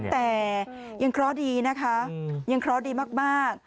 แต่ยังเคราะห์ดีนะคะยังเคราะห์ดีมาก